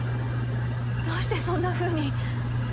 どうしてそんなふうに。